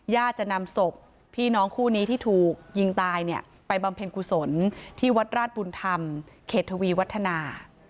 จะนำศพพี่น้องคู่นี้ที่ถูกยิงตายเนี่ยไปบำเพ็ญกุศลที่วัดราชบุญธรรมเขตทวีวัฒนา